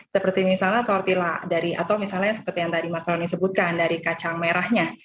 seperti misalnya tortilla atau misalnya seperti yang tadi marceloni sebutkan dari kacang merahnya